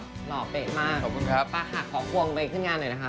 หลอเบ็ดมากปากหักของฟวงไปขึ้นงานหน่อยนะครับ